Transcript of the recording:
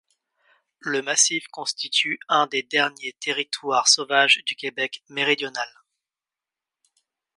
Le massif constitue un des derniers territoires sauvages du Québec méridional.